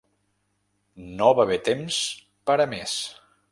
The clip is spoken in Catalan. No va haver temps per a més.